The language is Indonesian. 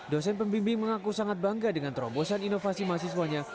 dosen pembimbing mengaku sangat bangga dengan terobosan inovasi mahasiswanya